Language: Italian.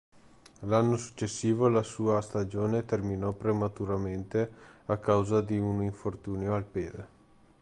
L'anno successivo la sua stagione terminò prematuramente a causa di un infortunio al piede.